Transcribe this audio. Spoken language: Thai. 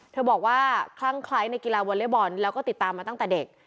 บอกว่าคลั่งคล้ายในกีฬาวอเล็กบอลแล้วก็ติดตามมาตั้งแต่เด็ก